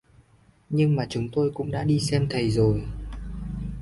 Nhưng mà chúng tôi cũng đã đi xem thầy rồi